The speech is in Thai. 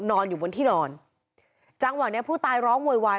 นอนอยู่บนที่นอนจังหวะเนี้ยผู้ตายร้องโวยวาย